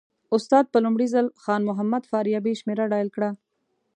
استاد په لومړي ځل خان محمد فاریابي شمېره ډایل کړه.